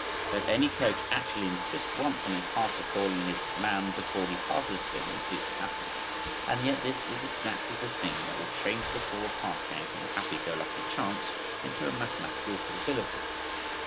Let any coach actually insist once on his passer calling his man before he passes to him and see what happens. And yet this is exactly the thing that will change the forward pass game from a happy go lucky chance into a mathematical probability.